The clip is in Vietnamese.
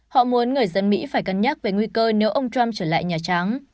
họ muốn người dân mỹ phải cân nhắc về nguy cơ nếu ông trump trở lại nhà trắng